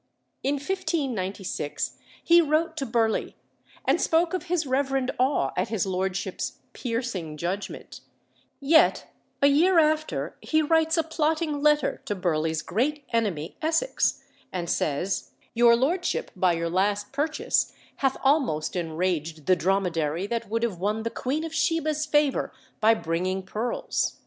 In 1596 he wrote to Burleigh, and spoke of his reverend awe at his lordship's "piercing judgment;" yet a year after he writes a plotting letter to Burleigh's great enemy, Essex, and says: "Your lordship by your last purchase hath almost enraged the dromedary that would have won the Queen of Sheba's favour by bringing pearls.